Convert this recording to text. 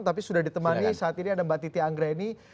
tapi sudah ditemani saat ini ada mbak titi anggreni